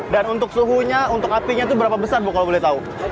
dan untuk suhunya untuk apinya tuh berapa besar bu kalau boleh tahu